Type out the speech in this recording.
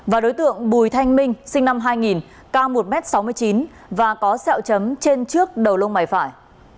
và đối tượng bùi thanh minh sinh năm hai nghìn cao một m sáu mươi chín và có sẹo chấm trên trước đầu lông mày phải